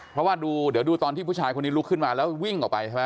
เพราะว่าดูเดี๋ยวดูตอนที่ผู้ชายคนนี้ลุกขึ้นมาแล้ววิ่งออกไปใช่ไหม